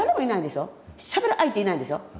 しゃべる相手いないんですよ。